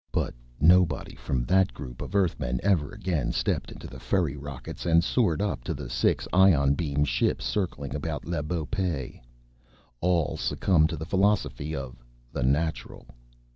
But nobody from that group of Earthmen ever again stepped into the ferry rockets and soared up to the six ion beam ships circling about Le Beau Pays. All succumbed to the Philosophy of the Natural.